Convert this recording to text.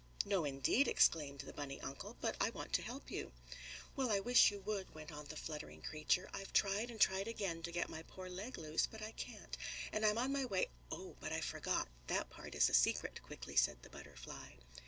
"No, indeed!" exclaimed the bunny uncle. "But I want to help you." "Well, I wish you would," went on the fluttering creature. "I've tried and tried again to get my poor leg loose, but I can't. And I'm on my way oh, but I forgot. That part is a secret!" quickly said the butterfly.